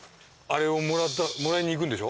あれをもらいに行くんでしょ？